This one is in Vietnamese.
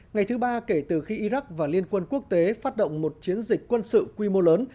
ngày thứ ba kể từ khi iraq và liên quân quốc tế phát động một chiến dịch quân sự quy mô lớn